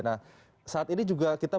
nah saat ini juga kita